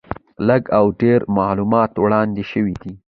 لږ او ډېر معلومات وړاندې شوي دي.